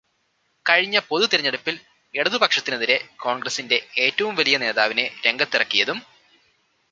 കഴിഞ്ഞ പൊതു തെരഞ്ഞെടുപ്പില് ഇടതുപക്ഷത്തിനെതിരെ കോണ്ഗ്രസിന്റെ ഏറ്റവും വലിയ നേതാവിനെ രംഗത്തിറക്കിയതും